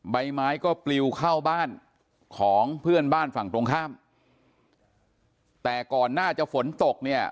ใบไม้ก็ปลิวเข้าบ้านของเพื่อนบ้านฝั่งตรงข้ามแต่ก่อนหน้าจะฝนตกเนี่ย